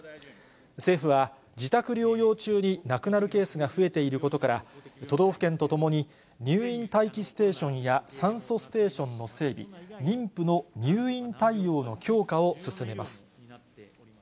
政府は、自宅療養中に亡くなるケースが増えていることから、都道府県と共に、入院待機ステーションや酸素ステーションの整備、妊婦の入院対応の強化を進めます。